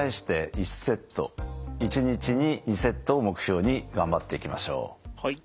１日に２セットを目標に頑張っていきましょう。